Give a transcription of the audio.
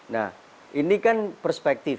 nah ini kan perspektif